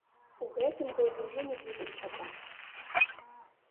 У гэтым годзе ўжо не будзем чапаць.